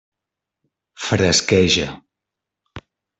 Fresqueja.